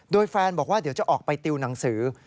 โดยแฟนบอกว่าเดี๋ยวจะออกไปติวหนังสือ